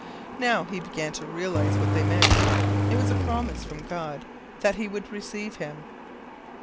Now he began to realize what they meant. It was a promise from God that he would receive him.